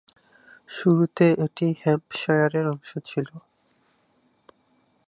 শুরুতে এটি হ্যাম্পশায়ারের অংশ ছিলো।